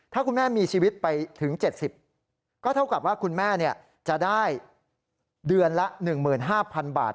ถ้าคุณแม่มีชีวิตไปถึง๗๐ก็เท่ากับว่าคุณแม่จะได้เดือนละ๑๕๐๐๐บาท